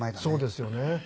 そうですよね。